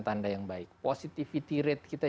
tanda yang baik positivity rate kita